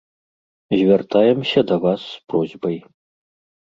Звяртаемся да вас з просьбай.